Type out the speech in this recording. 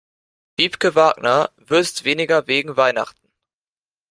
Wiebke Wagner würzt weniger wegen Weihnachten.